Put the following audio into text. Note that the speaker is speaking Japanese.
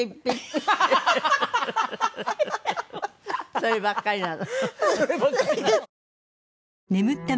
そればっかりなの。